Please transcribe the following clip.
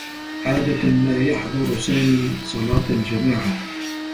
عادة ما يحضر سامي صلاة الجماعة.